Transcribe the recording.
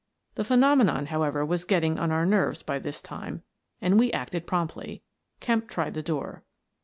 The phenomenon, however, was getting on our nerves by this time and we acted promptly. Kemp tried the door.